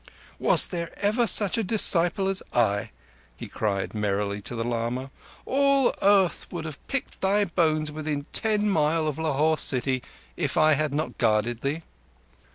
"Was there ever such a disciple as I?" he cried merrily to the lama. "All earth would have picked thy bones within ten mile of Lahore city if I had not guarded thee."